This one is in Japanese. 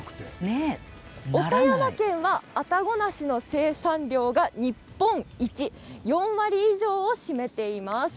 岡山県はあたご梨の生産量が日本一４割以上を占めています。